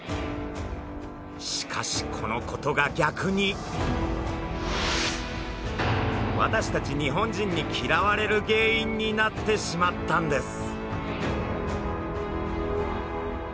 しかしこのことが逆に私たち日本人に嫌われる原因になってしまったんです。